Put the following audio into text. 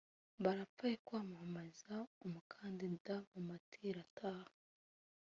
Barapfa ayo kwamamaza umukandida mu matira ataha